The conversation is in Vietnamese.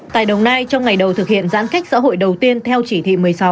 tại đồng nai trong ngày đầu thực hiện giãn cách xã hội đầu tiên theo chỉ thị một mươi sáu